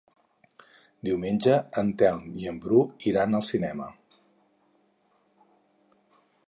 Diumenge en Telm i en Bru iran al cinema.